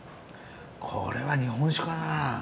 これは日本酒かな。